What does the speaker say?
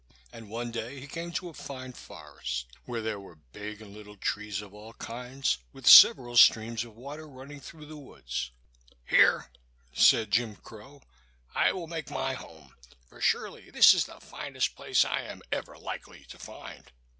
And one day he came to a fine forest, where there were big and little trees of all kinds, with several streams of water running through the woods. "Here," said Jim Crow, "I will make my home; for surely this is the finest place I am ever likely to find."